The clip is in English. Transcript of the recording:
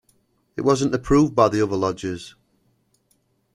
It wasn't approved by the other lodgers.